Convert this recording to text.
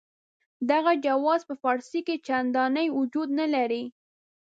دغه جواز په فارسي کې چنداني وجود نه لري.